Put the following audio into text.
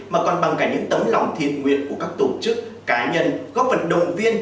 mà còn bằng cả những tấm lòng thiên nguyện của các tổ chức cá nhân góp vận động viên